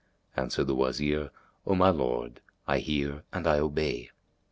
Answered the Wazir, "O my lord, I hear and I obey."